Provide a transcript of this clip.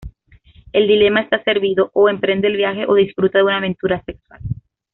El dilema está servido: o emprende el viaje o disfruta de una aventura sexual.